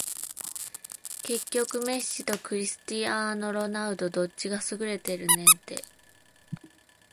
結局メッシとクリスティアーノ・ロナウドどっちが優れてるねんて